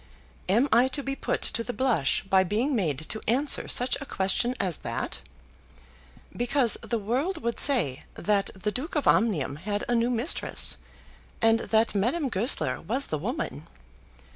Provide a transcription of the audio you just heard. Am I to be put to the blush by being made to answer such a question as that? Because the world would say that the Duke of Omnium had a new mistress, and that Madame Goesler was the woman.